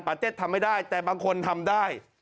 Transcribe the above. เต็ดทำไม่ได้แต่บางคนทำได้